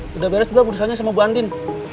sudah beres juga keputusannya sama ibu andin